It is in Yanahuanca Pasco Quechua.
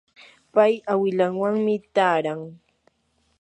pay awilanwanmi taaran.